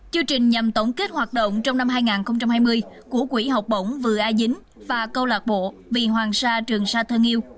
chương trình nhằm tổng kết hoạt động trong năm hai nghìn hai mươi của quỹ học bổng vừa a dính và câu lạc bộ vì hoàng sa trường sa thân yêu